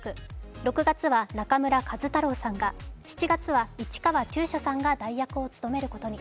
６月は中村壱太郎さんが７月は市川中車さんが代役を務めることに。